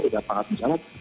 sudah pangkat mesyarakat